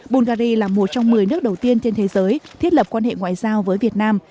bulgari là một trong một mươi nước đầu tiên trên thế giới thiết lập quan hệ ngoại giao với việt nam